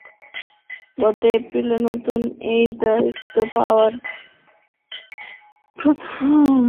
গত এপ্রিলে নতুন ওই দায়িত্ব পাওয়ার পর এটাই তাঁর প্রথম মিয়ানমার সফর।